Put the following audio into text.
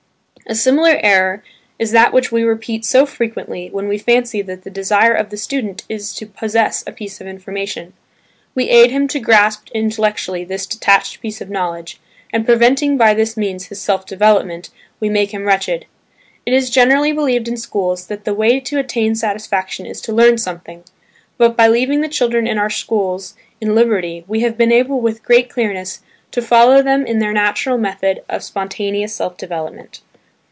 A similar error is that which we repeat so frequently when we fancy that the desire of the student is to possess a piece of information. We aid him to grasp intellectually this detached piece of knowledge, and, preventing by this means his self development, we make him wretched. It is generally believed in schools that the way to attain satisfaction is "to learn something." But by leaving the children in our schools in liberty we have been able with great clearness to follow them in their natural method of spontaneous self development.